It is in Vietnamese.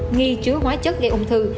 nghi chứa hóa chất gây ung thư